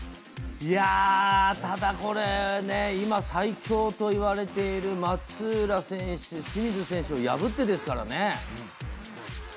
ただこれ、今、最強といわれている松浦選手、清水選手を破ってですからね。